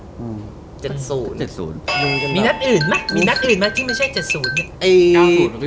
มีนักอื่นมั้ยที่ไม่ใช่๗๐